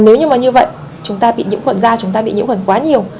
nếu như mà như vậy chúng ta bị nhiễm khuẩn da chúng ta bị nhiễm khuẩn quá nhiều